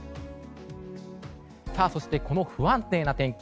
そして、この不安定な天気